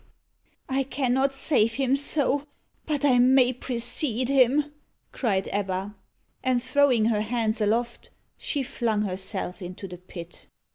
"I cannot save him so, but I may precede him," cried Ebba. And throwing her hands aloft, she flung herself into the pit.